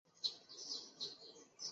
不拖拖拉拉。